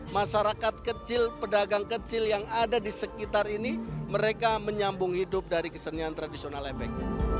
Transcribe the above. masyarakat kecil pedagang kecil yang ada di sekitar ini mereka menyambung hidup dari kesenian tradisional ebek